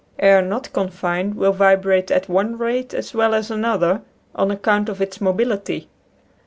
Air not con fined will vibrate at one rate as well as an other on account of its mobility.